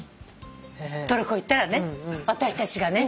トルコ行ったらね私たちがね。